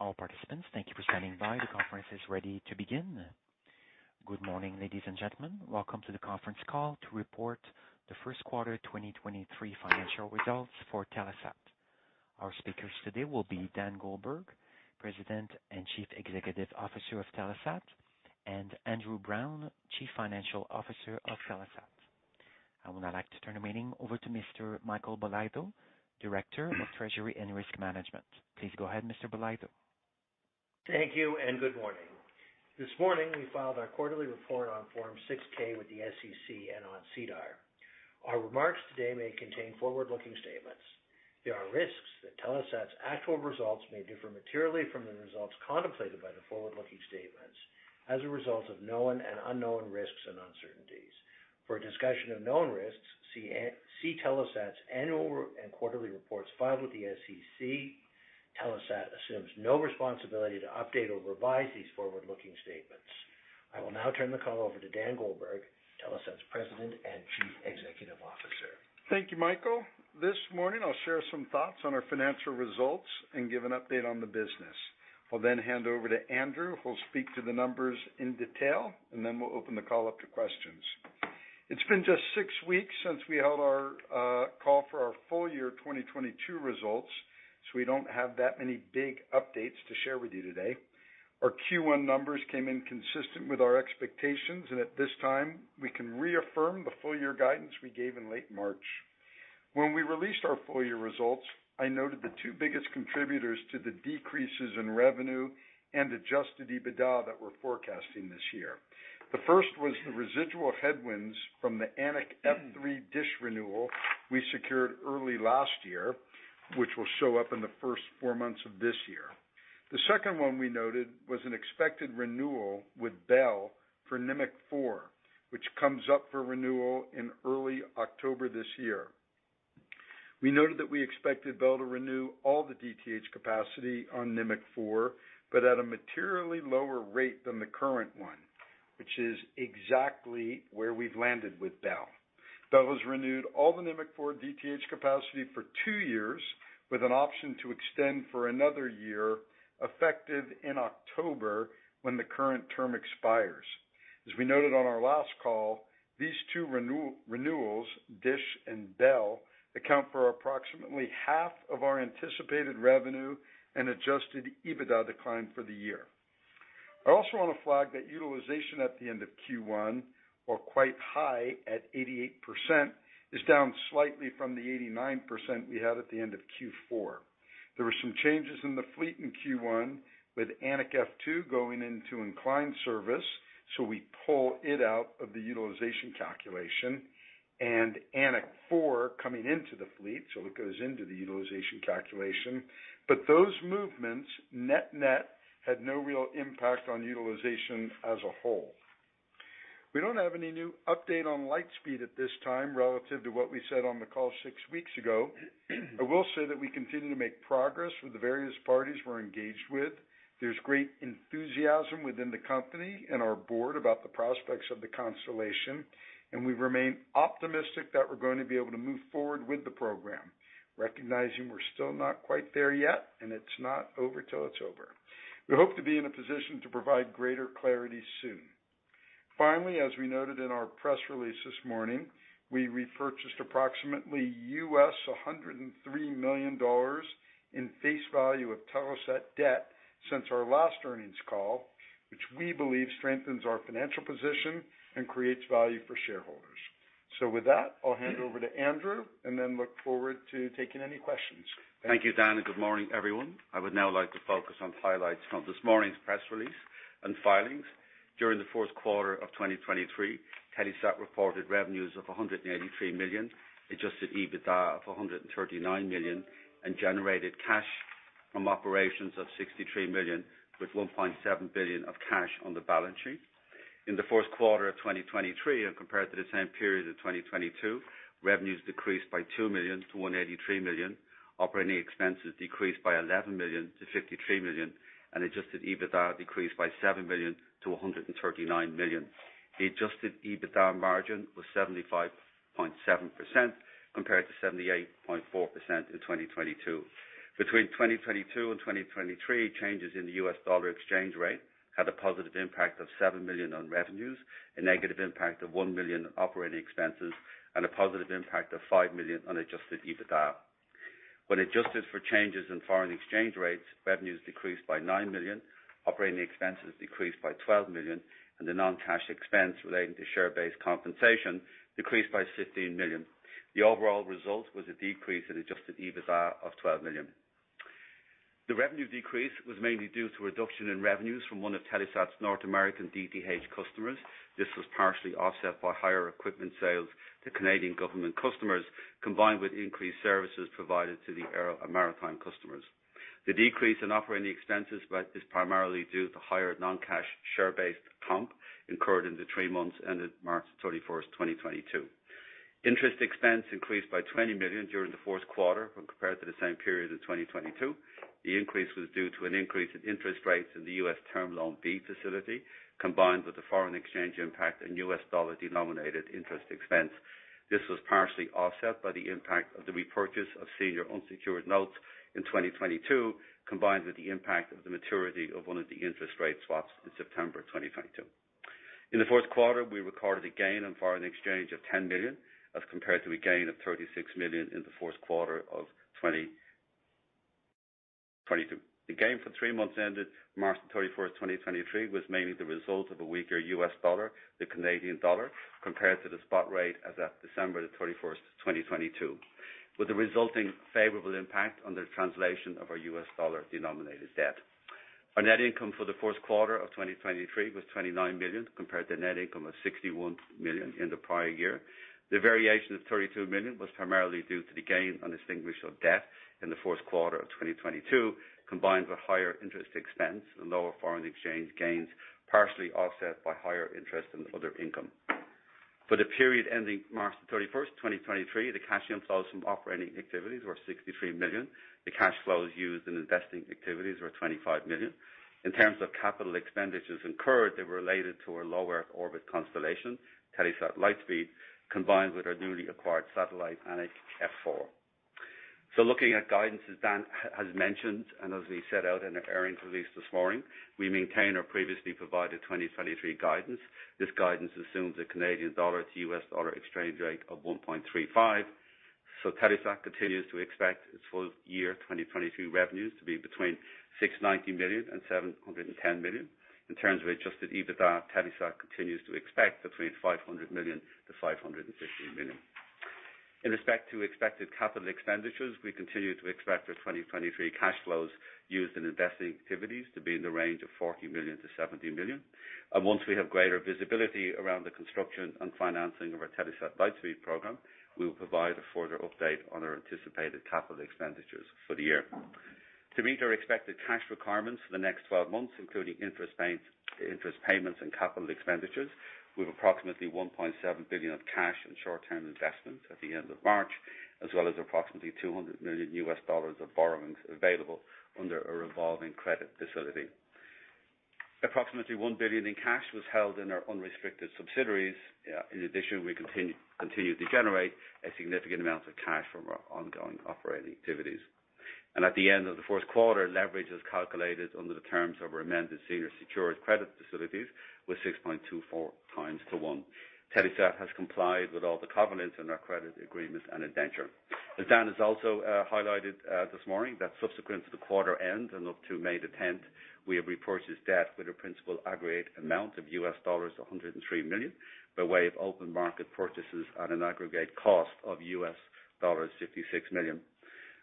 All participants, thank you for standing by. The conference is ready to begin. Good morning, ladies and gentlemen. Welcome to the conference call to report the first quarter 2023 financial results for Telesat. Our speakers today will be Dan Goldberg, President and Chief Executive Officer of Telesat, and Andrew Browne, Chief Financial Officer of Telesat. I would now like to turn the meeting over to Mr. Michael Bolitho, Director of Treasury and Risk Management. Please go ahead, Mr. Bolitho. Thank you. Good morning. This morning, we filed our quarterly report on Form 6-K with the SEC and on SEDAR. Our remarks today may contain forward-looking statements. There are risks that Telesat's actual results may differ materially from the results contemplated by the forward-looking statements as a result of known and unknown risks and uncertainties. For a discussion of known risks, see Telesat's annual and quarterly reports filed with the SEC. Telesat assumes no responsibility to update or revise these forward-looking statements. I will now turn the call over to Dan Goldberg, Telesat's President and Chief Executive Officer. Thank you, Michael. This morning I'll share some thoughts on our financial results and give an update on the business. I'll then hand over to Andrew, who will speak to the numbers in detail, and then we'll open the call up to questions. It's been just six weeks since we held our call for our full-year 2022 results, so we don't have that many big updates to share with you today. Our Q1 numbers came in consistent with our expectations, and at this time, we can reaffirm the full-year guidance we gave in late March. When we released our full-year results, I noted the two biggest contributors to the decreases in revenue and Adjusted EBITDA that we're forecasting this year. The first was the residual headwinds from the Anik F3 DISH renewal we secured early last year, which will show up in the first four months of this year. The second one we noted was an expected renewal with Bell for Nimiq 4, which comes up for renewal in early October this year. We noted that we expected Bell to renew all the DTH capacity on Nimiq 4, but at a materially lower rate than the current one, which is exactly where we've landed with Bell. Bell has renewed all the Nimiq 4 DTH capacity for two years, with an option to extend for one year, effective in October, when the current term expires. As we noted on our last call, these two renewals, DISH and Bell, account for approximately half of our anticipated revenue and Adjusted EBITDA decline for the year. I also want to flag that utilization at the end of Q1 or quite high at 88%, is down slightly from the 89% we had at the end of Q4. There were some changes in the fleet in Q1, with Anik F2 going into inclined service, so we pull it out of the utilization calculation and Anik F4 coming into the fleet, so it goes into the utilization calculation. Those movements, net-net, had no real impact on utilization as a whole. We don't have any new update on Lightspeed at this time relative to what we said on the call six weeks ago. I will say that we continue to make progress with the various parties we're engaged with. There's great enthusiasm within the company and our board about the prospects of the constellation. We remain optimistic that we're going to be able to move forward with the program, recognizing we're still not quite there yet. It's not over till it's over. We hope to be in a position to provide greater clarity soon. Finally, as we noted in our press release this morning, we repurchased approximately $103 million in face value of Telesat debt since our last earnings call, which we believe strengthens our financial position and creates value for shareholders. With that, I'll hand it over to Andrew and then look forward to taking any questions. Thank you, Dan. Good morning, everyone. I would now like to focus on highlights from this morning's press release and filings. During the fourth quarter of 2023, Telesat reported revenues of $183 million, Adjusted EBITDA of $139 million, generated cash from operations of $63 million, with $1.7 billion of cash on the balance sheet. In the first quarter of 2023, compared to the same period of 2022, revenues decreased by $2 million to $183 million, operating expenses decreased by $11 million to $53 million, Adjusted EBITDA decreased by $7 million to $139 million. The Adjusted EBITDA margin was 75.7% compared to 78.4% in 2022. Between 2022 and 2023, changes in the US dollar exchange rate had a positive impact of $7 million on revenues, a negative impact of $1 million operating expenses, and a positive impact of $5 million unadjusted EBITDA. When adjusted for changes in foreign exchange rates, revenues decreased by $9 million, operating expenses decreased by $12 million, and the non-cash expense relating to share-based compensation decreased by $15 million. The overall result was a decrease in adjusted EBITDA of $12 million. The revenue decrease was mainly due to a reduction in revenues from one of Telesat's North American DTH customers. This was partially offset by higher equipment sales to Canadian government customers, combined with increased services provided to the maritime customers. The decrease in operating expenses is primarily due to higher non-cash share-based comp incurred in the three months ended March 31, 2022. Interest expense increased by $20 million during the fourth quarter when compared to the same period in 2022. The increase was due to an increase in interest rates in the U.S. Term Loan B facility, combined with the foreign exchange impact and US dollar denominated interest expense. This was partially offset by the impact of the repurchase of senior unsecured notes in 2022, combined with the impact of the maturity of one of the interest rate swaps in September 2022. In the fourth quarter, we recorded a gain on foreign exchange of $10 million as compared to a gain of $36 million in the fourth quarter of 2022. The gain for three months ended March 31st, 2023, was mainly the result of a weaker U.S. dollar to Canadian dollar compared to the spot rate as at December 31st, 2022, with a resulting favorable impact on the translation of our U.S. dollar denominated debt. Our net income for the first quarter of 2023 was $29 million, compared to net income of $61 million in the prior year. The variation of $32 million was primarily due to the gain on extinguishment of debt in the first quarter of 2022, combined with higher interest expense and lower foreign exchange gains, partially offset by higher interest in other income. For the period ending March 31st, 2023, the cash inflows from operating activities were $63 million. The cash flows used in investing activities were $25 million. In terms of capital expenditures incurred, they were related to our Low Earth Orbit constellation, Telesat Lightspeed, combined with our newly acquired satellite, Anik F4. Looking at guidance, as Dan has mentioned and as we set out in the earnings release this morning, we maintain our previously provided 2023 guidance. This guidance assumes a Canadian dollar to US dollar exchange rate of 1.35. Telesat continues to expect its full year 2022 revenues to be between $690 million and $710 million. In terms of Adjusted EBITDA, Telesat continues to expect between $500 million to $550 million. In respect to expected capital expenditures, we continue to expect our 2023 cash flows used in investing activities to be in the range of $40 million to $70 million. Once we have greater visibility around the construction and financing of our Telesat Lightspeed program, we will provide a further update on our anticipated capital expenditures for the year. To meet our expected cash requirements for the next 12 months, including interest payments and capital expenditures, we have approximately $1.7 billion of cash and short-term investments at the end of March, as well as approximately $200 million of borrowings available under a revolving credit facility. Approximately $1 billion in cash was held in our unrestricted subsidiaries. In addition, we continue to generate a significant amount of cash from our ongoing operating activities. At the end of the fourth quarter, leverage is calculated under the terms of our amended senior secured credit facilities with 6.24x to 1. Telesat has complied with all the covenants in our credit agreements and indenture. As Dan has also highlighted this morning that subsequent to the quarter end and up to May 10th, we have repurchased debt with a principal aggregate amount of $103 million by way of open market purchases at an aggregate cost of $56 million.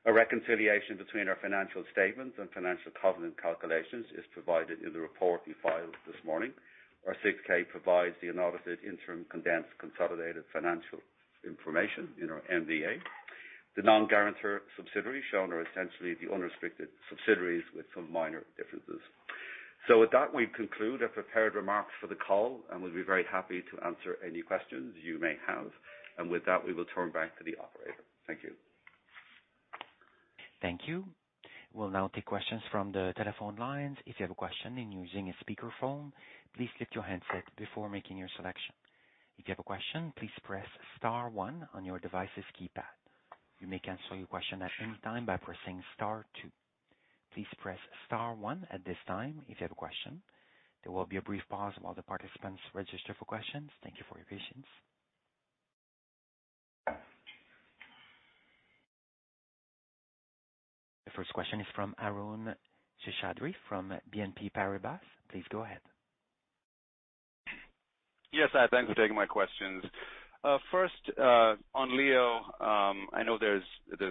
A reconciliation between our financial statements and financial covenant calculations is provided in the report we filed this morning. Our 6-K provides the unaudited interim condensed consolidated financial information in our MDA. The non-guarantor subsidiaries shown are essentially the unrestricted subsidiaries with some minor differences. With that, we conclude our prepared remarks for the call, and we'll be very happy to answer any questions you may have. With that, we will turn back to the operator. Thank you. Thank you. We'll now take questions from the telephone lines. If you have a question and using a speakerphone, please lift your handset before making your selection. If you have a question, please press star one on your device's keypad. You may cancel your question at any time by pressing star two. Please press star one at this time if you have a question. There will be a brief pause while the participants register for questions. Thank you for your patience. The first question is from Arun Seshadri from BNP Paribas. Please go ahead. Yes, thanks for taking my questions. first, on LEO, I know there's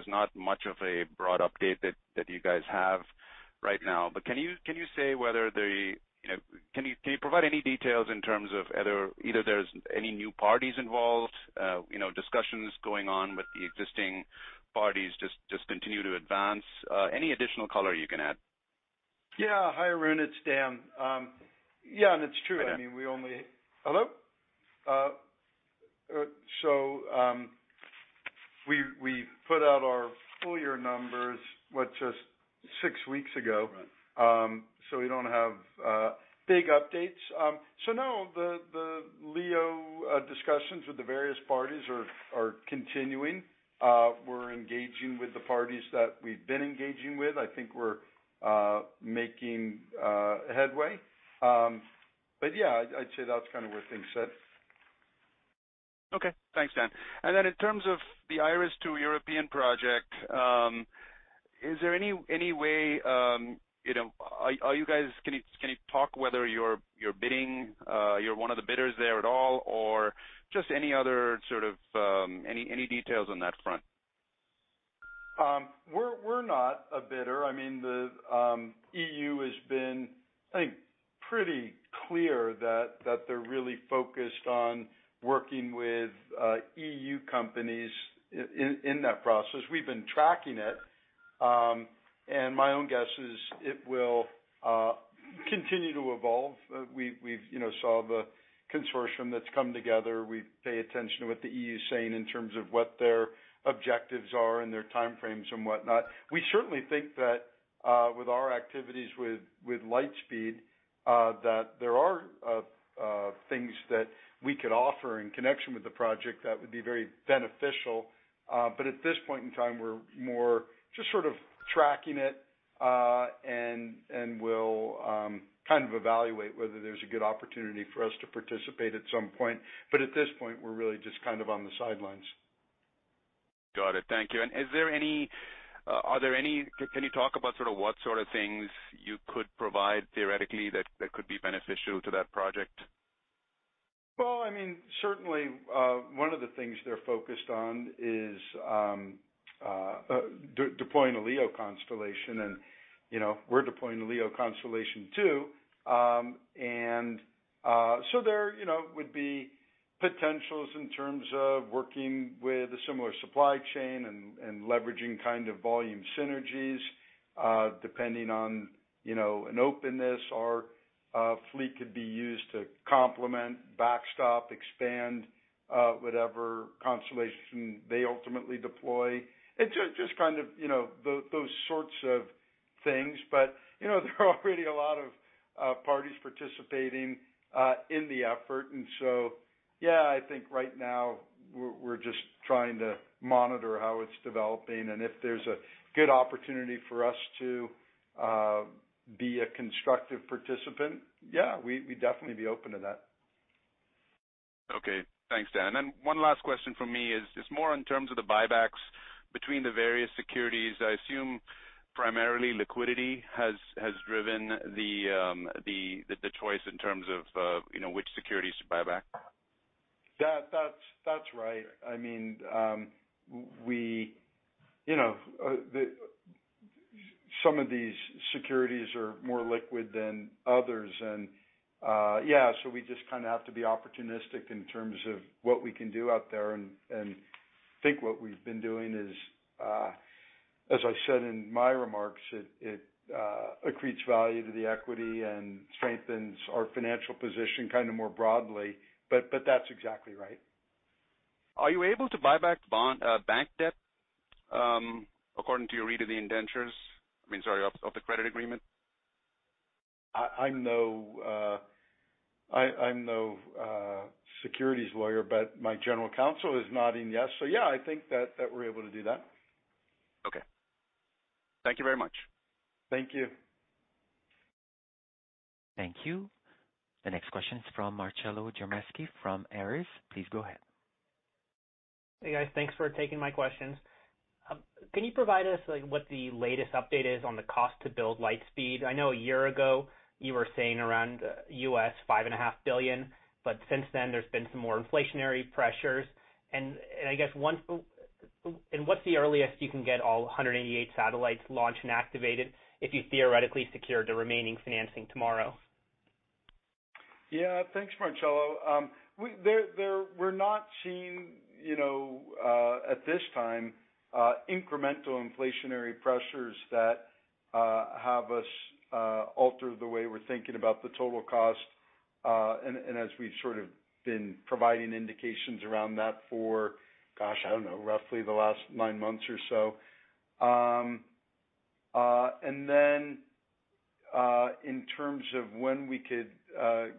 not much of a broad update that you guys have right now. Can you provide any details in terms of either there's any new parties involved, you know, discussions going on with the existing parties just continue to advance? Any additional color you can add? Yeah. Hi, Arun, it's Dan. Yeah, and it's true. I mean, Hello? We put out our full year numbers, what, just six weeks ago. Right. We don't have big updates. No, the LEO discussions with the various parties are continuing. We're engaging with the parties that we've been engaging with. I think we're making headway. Yeah, I'd say that's kind of where things sit. Okay. Thanks, Dan. In terms of the IRIS² to European project, is there any way, you know, can you talk whether you're bidding, you're one of the bidders there at all or just any other sort of, any details on that front? We're not a bidder. I mean, the EU has been, I think, pretty clear that they're really focused on working with EU companies in that process. We've been tracking it, my own guess is it will continue to evolve. We've, you know, saw the consortium that's come together. We pay attention to what the EU is saying in terms of what their objectives are and their time frames and whatnot. We certainly think that with our activities with Lightspeed, that there are things that we could offer in connection with the project that would be very beneficial. At this point in time, we're more just sort of tracking it. We'll kind of evaluate whether there's a good opportunity for us to participate at some point. At this point, we're really just kind of on the sidelines. Got it. Thank you. Can you talk about sort of what sort of things you could provide theoretically that could be beneficial to that project? Well, I mean, certainly, one of the things they're focused on is deploying a LEO constellation and, you know, we're deploying a LEO constellation, too. There, you know, would be potentials in terms of working with a similar supply chain and leveraging kind of volume synergies, depending on, you know, an openness. Our fleet could be used to complement, backstop, expand, whatever constellation they ultimately deploy. It just kind of, you know, those sorts of things. You know, there are already a lot of parties participating in the effort. Yeah, I think right now we're just trying to monitor how it's developing, and if there's a good opportunity for us to be a constructive participant, yeah, we'd definitely be open to that. Okay. Thanks, Dan. One last question from me is just more in terms of the buybacks between the various securities. I assume primarily liquidity has driven the choice in terms of, you know, which securities to buy back. That's right. I mean, you know, Some of these securities are more liquid than others and, yeah, so we just kinda have to be opportunistic in terms of what we can do out there. I think what we've been doing is, as I said in my remarks, it accretes value to the equity and strengthens our financial position kind of more broadly, but that's exactly right. Are you able to buy back bond, bank debt, according to your read of the indentures? I mean, sorry, of the credit agreement? I'm no securities lawyer, but my general counsel is nodding yes. Yeah, I think that we're able to do that. Okay. Thank you very much. Thank you. Thank you. The next question is from Marcello Chermisqui from Ares. Please go ahead. Hey, guys. Thanks for taking my questions. Can you provide us, like, what the latest update is on the cost to build Lightspeed? I know a year ago you were saying around $5 and a half billion, since then there's been some more inflationary pressures. I guess what's the earliest you can get all 188 satellites launched and activated if you theoretically secured the remaining financing tomorrow? Yeah. Thanks, Marcello. We're not seeing, you know, at this time, incremental inflationary pressures that have us alter the way we're thinking about the total cost, as we've sort of been providing indications around that for, gosh, I don't know, roughly the last nine months or so. In terms of when we could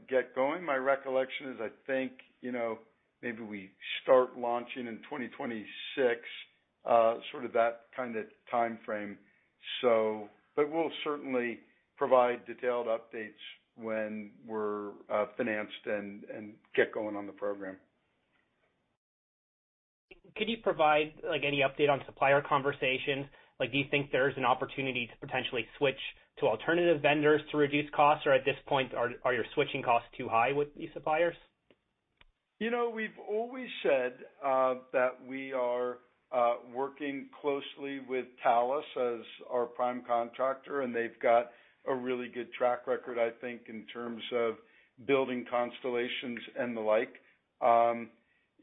get going, my recollection is I think, you know, maybe we start launching in 2026, sort of that kind of timeframe. We'll certainly provide detailed updates when we're financed and get going on the program. Could you provide, like, any update on supplier conversations? Like, do you think there's an opportunity to potentially switch to alternative vendors to reduce costs? At this point, are your switching costs too high with these suppliers? You know, we've always said that we are working closely with Thales as our prime contractor, and they've got a really good track record, I think, in terms of building constellations and the like.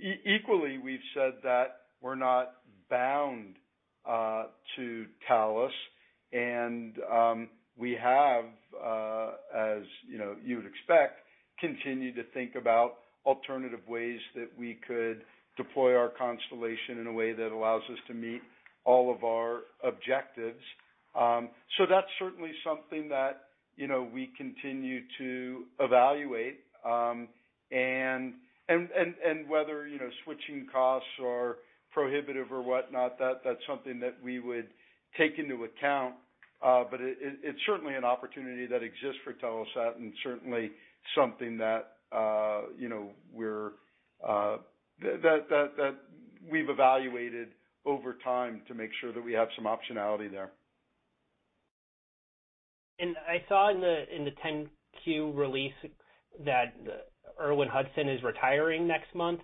Equally, we've said that we're not bound to Thales. We have, as, you know, you would expect, continued to think about alternative ways that we could deploy our constellation in a way that allows us to meet all of our objectives. That's certainly something that, you know, we continue to evaluate, and whether, you know, switching costs are prohibitive or whatnot, that's something that we would take into account. It's certainly an opportunity that exists for Telesat and certainly something that, you know, we're that we've evaluated over time to make sure that we have some optionality there. I saw in the 10-Q release that David Wendling is retiring next month.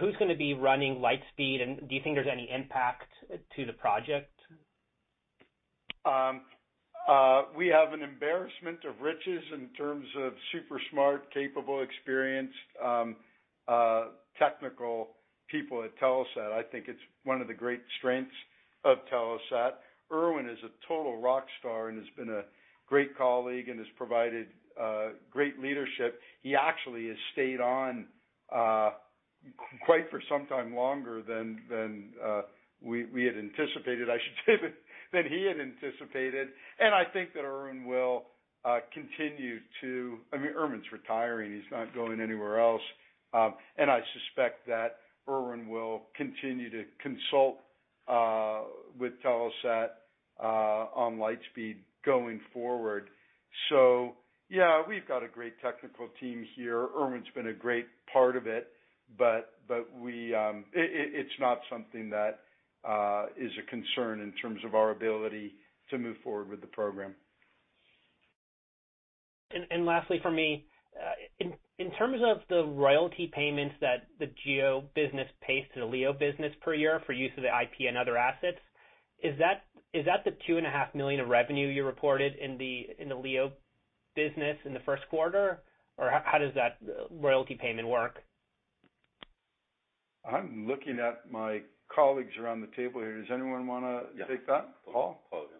Who's gonna be running Lightspeed, and do you think there's any impact to the project? We have an embarrassment of riches in terms of super smart, capable, experienced, technical people at Telesat. I think it's one of the great strengths of Telesat. Erwin is a total rock star and has been a great colleague and has provided great leadership. He actually has stayed on quite for some time longer than we had anticipated, I should say, than he had anticipated. I think that Erwin will continue to. I mean, Erwin's retiring. He's not going anywhere else. I suspect that Erwin will continue to consult with Telesat on Lightspeed going forward. Yeah, we've got a great technical team here. Erwin's been a great part of it, but we... it's not something that is a concern in terms of our ability to move forward with the program. Lastly for me, in terms of the royalty payments that the GEO business pays to the LEO business per year for use of the IP and other assets, is that the two and a half million of revenue you reported in the LEO business in the first quarter? How does that royalty payment work? I'm looking at my colleagues around the table here. Does anyone wanna take that? Yeah. Paul? Paul, yeah.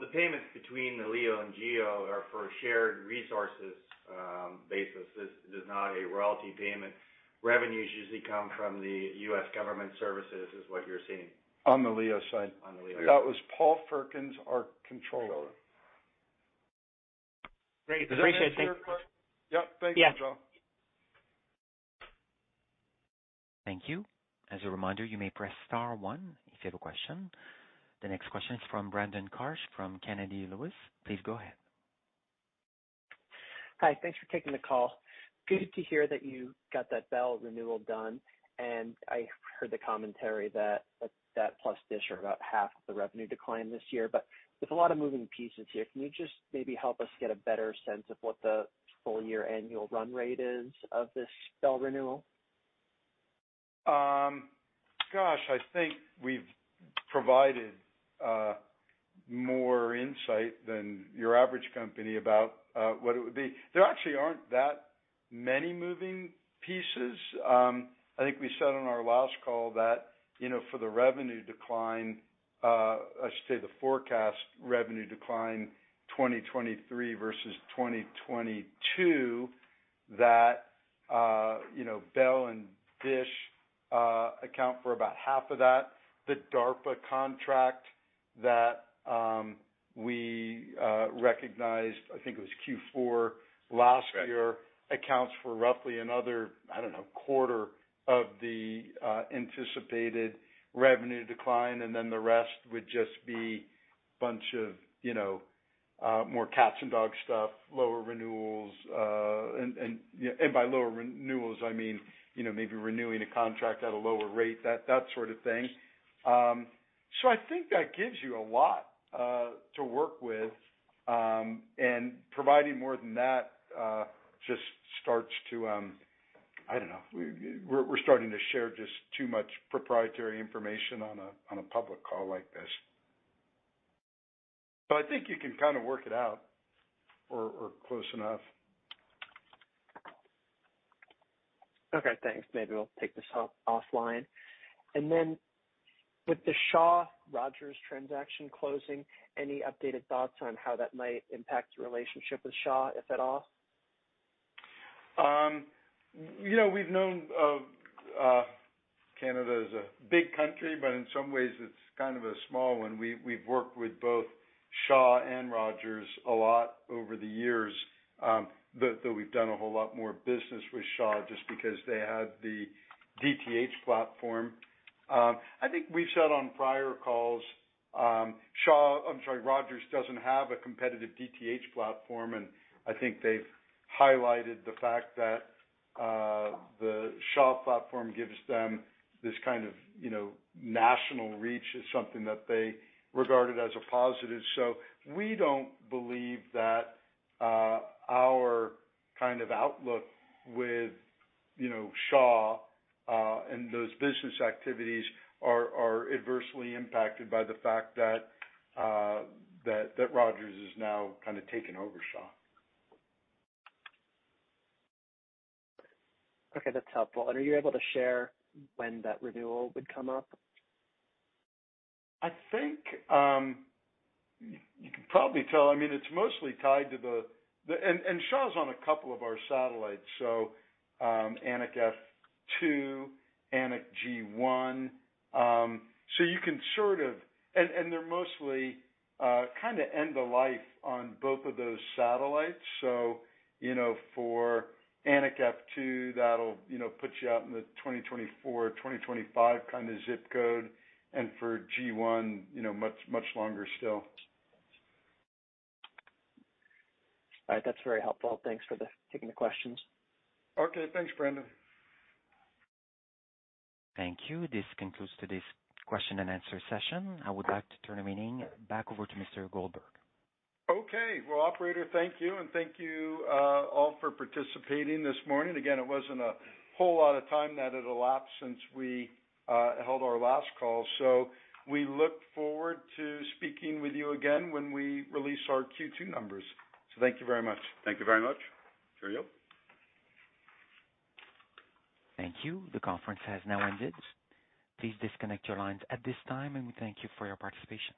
The payments between the LEO and GEO are for a shared resources basis. This is not a royalty payment. Revenues usually come from the U.S. Government services, is what you're seeing. On the LEO side. On the LEO side. That was Paul Firkins, our Controller. Great. Appreciate it. Does that answer your question? Yep, thanks, Dan. Yeah. Thank you. As a reminder, you may press star one if you have a question. The next question is from Brandon Karsch from Credit Suisse. Please go ahead. Hi. Thanks for taking the call. Good to hear that you got that Bell renewal done. I heard the commentary that plus Dish are about half of the revenue decline this year. With a lot of moving pieces here, can you just maybe help us get a better sense of what the full year annual run rate is of this Bell renewal? Gosh, I think we've provided more insight than your average company about what it would be. There actually aren't that many moving pieces. I think we said on our last call that, you know, for the revenue decline, I should say the forecast revenue decline 2023 versus 2022, that, you know, Bell and Dish account for about half of that. The DARPA contract that we recognized, I think it was Q4 last year. Right accounts for roughly another, I don't know, quarter of the anticipated revenue decline. The rest would just be a bunch of, you know, more cats and dogs stuff, lower renewals. Yeah, and by lower renewals, I mean, you know, maybe renewing a contract at a lower rate, that sort of thing. I think that gives you a lot to work with. Providing more than that, just starts to... I don't know. We're starting to share just too much proprietary information on a public call like this. I think you can kinda work it out or close enough. Okay, thanks. Maybe we'll take this offline. Then with the Shaw-Rogers transaction closing, any updated thoughts on how that might impact your relationship with Shaw, if at all? You know, we've known Canada is a big country, but in some ways it's kind of a small one. We've worked with both Shaw and Rogers a lot over the years, but we've done a whole lot more business with Shaw just because they had the DTH platform. I think we've said on prior calls, Rogers doesn't have a competitive DTH platform, and I think they've highlighted the fact that the Shaw platform gives them this kind of, you know, national reach. It's something that they regarded as a positive. We don't believe that our kind of outlook with, you know, Shaw, and those business activities are adversely impacted by the fact that Rogers has now kind of taken over Shaw. Okay, that's helpful. Are you able to share when that renewal would come up? I think you can probably tell, I mean, it's mostly tied to the... Shaw's on a couple of our satellites, so Anik F2, Anik G1. You can sort of... they're mostly kinda end of life on both of those satellites. You know, for Anik F2, that'll, you know, put you out in the 2024, 2025 kinda zip code. For G1, you know, much, much longer still. All right. That's very helpful. Thanks for taking the questions. Okay. Thanks, Brandon. Thank you. This concludes today's question and answer session. I would like to turn the meeting back over to Mr. Goldberg. Okay. Well, operator, thank you, and thank you, all for participating this morning. Again, it wasn't a whole lot of time that had elapsed since we held our last call, so we look forward to speaking with you again when we release our Q2 numbers. Thank you very much. Thank you very much. Cheerio. Thank you. The conference has now ended. Please disconnect your lines at this time, and we thank you for your participation.